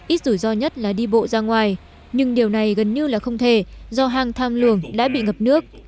ít rủi ro nhất là đi bộ ra ngoài nhưng điều này gần như là không thể do hang tham luồng đã bị ngập nước